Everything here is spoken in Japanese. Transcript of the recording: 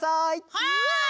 はい！